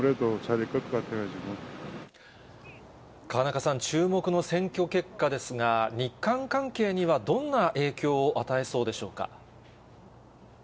河中さん、注目の選挙結果ですが、日韓関係にはどんな影響を与えそうでしょうか。